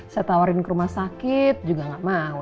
saya tawarin ke rumah sakit juga gak mau